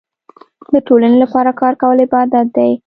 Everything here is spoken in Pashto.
د ټولنې لپاره کار کول عبادت دی.